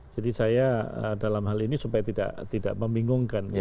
saya dalam hal ini supaya tidak membingungkan